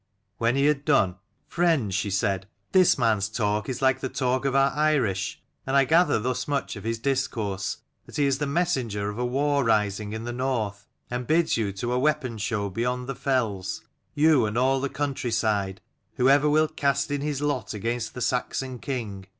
When he had done, "Friends," she said, "this man's talk is like the talk of our Irish: and I gather thus much of his discourse, that he is the messenger of a war rising in the north : and bids you to a weapon show beyond the fells, you and all the country side, whoever will cast in his lot against the Saxon king.